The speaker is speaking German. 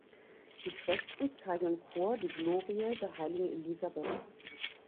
Die Fresken zeigen im Chor die Glorie der heiligen Elisabeth.